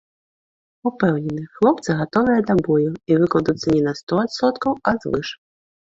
Упэўнены, хлопцы гатовыя да бою і выкладуцца не на сто адсоткаў, а звыш.